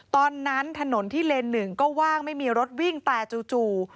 ตอนนั้นถนนที่เลนหนึ่งก็ว่างไม่มีรถวิ่งแต่จู่